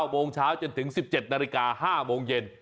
โมงเช้าจนถึง๑๗นาฬิกา๕โมงเย็น